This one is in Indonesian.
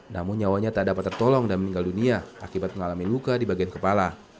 namun nyawanya tak dapat tertolong dan meninggal dunia akibat mengalami luka di bagian kepala